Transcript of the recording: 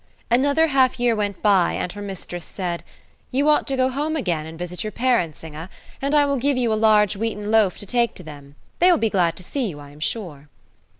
Another half year went by, and her mistress said, "you ought to go home again, and visit your parents, Inge, and I will give you a large wheaten loaf to take to them, they will be glad to see you, I am sure."